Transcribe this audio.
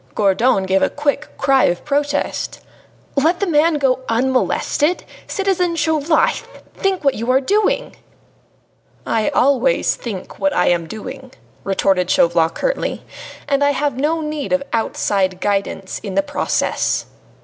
Gourdon gave a quick cry of protest. "Let the man go unmolested? Citizen Chauvelin, think what you are doing!" "I always think of what I am doing," retorted Chauvelin curtly, "and have no need of outside guidance in the process."